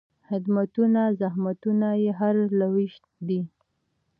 خدمتونه، زحمتونه یې هر لوېشت دي